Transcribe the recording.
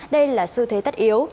đây là xu thế tất yếu